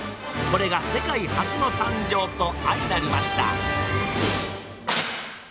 これが世界初の誕生と相成りました！